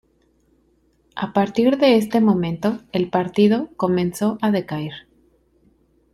A partir de este momento, el partido comenzó a decaer.